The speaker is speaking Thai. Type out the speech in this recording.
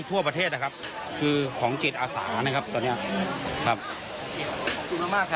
ทั่วประเทศนะครับคือของจิตอาสานะครับตอนเนี้ยครับขอบคุณมากมากครับ